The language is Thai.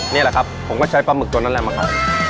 นี่แหละครับผมก็ใช้ปลาหมึกตัวนั้นแหละมาคัด